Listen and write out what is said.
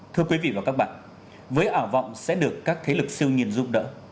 thưa quý vị và các bạn với ảo vọng sẽ được các thế lực siêu nhiên giúp đỡ